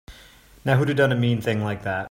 Now who'da done a mean thing like that?